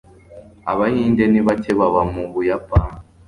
abahinde ni bake baba mu buyapani